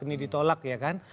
ini ditolak ya kan